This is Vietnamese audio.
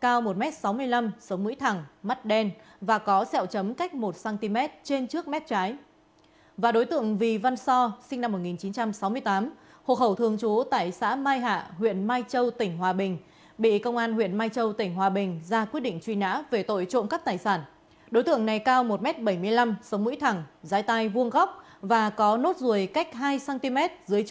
công an thành phố hòa bình đã ra quyết định truy nã đối với đối tượng phùng thị thủy sinh năm một nghìn chín trăm sáu mươi tám hộ khẩu thường chú tại thị trấn ngô đồng huyện giao thủy tỉnh nam định